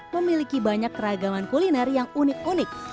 memiliki banyak keragaman kuliner yang unik unik